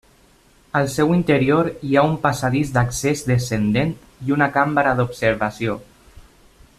Al seu interior hi ha un passadís d'accés descendent i una cambra d'observació.